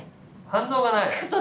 反応がない！